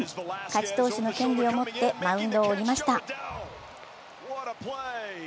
勝ち投手の権利を持ってマウンドを降りました。